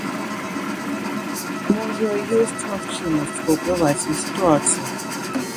Можа, ёсць магчымасць паўплываць на сітуацыю?